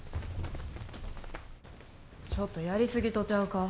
ちょっとやりすぎとちゃうか？